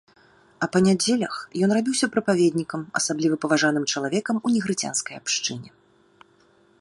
А па нядзелях ён рабіўся прапаведнікам, асабліва паважаным чалавекам у негрыцянскай абшчыне.